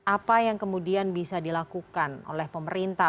apa yang kemudian bisa dilakukan oleh pemerintah